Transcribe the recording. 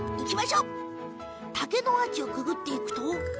竹のアーチをくぐっていくとん？